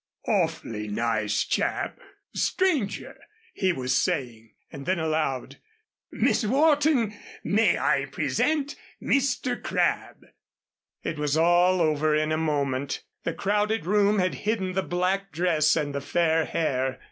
"Awfully nice chap stranger," he was saying, and then aloud, "Miss Wharton, may I present Mr. Crabb?" It was all over in a moment. The crowded room had hidden the black dress and the fair hair.